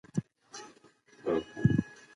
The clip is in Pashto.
هغه اوس په پخلنځي کې د مڼو جوس جوړوي.